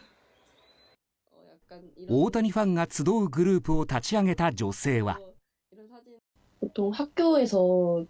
大谷ファンが集うグループを立ち上げた女性は。